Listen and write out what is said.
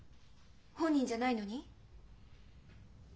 本人じゃないのに？